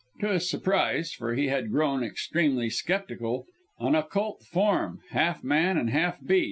To his surprise for he had grown extremely sceptical an Occult form, half man and half beast, materialized.